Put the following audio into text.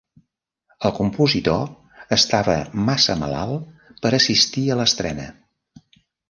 El compositor estava massa malalt per assistir a l'estrena.